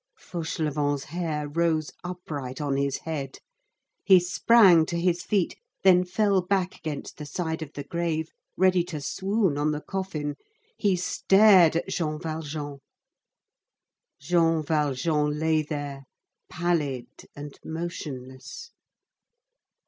Fauchelevent's hair rose upright on his head, he sprang to his feet, then fell back against the side of the grave, ready to swoon on the coffin. He stared at Jean Valjean. Jean Valjean lay there pallid and motionless.